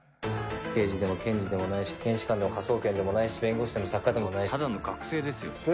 「刑事でも検事でもないし検視官でも科捜研でもないし弁護士でも作家でもないただの学生ですよ」